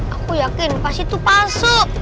aku yakin pasti tuh palsu